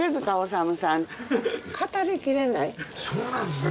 そうなんですね。